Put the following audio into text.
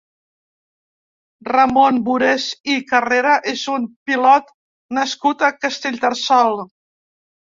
Ramon Burés i Carrera és un pilot nascut a Castellterçol.